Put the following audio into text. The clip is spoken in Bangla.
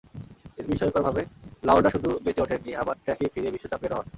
কিন্তু বিস্ময়করভাবে লাওডা শুধু বেঁচে ওঠেননি, আবার ট্র্যাকে ফিরে বিশ্ব চ্যাম্পিয়নও হন।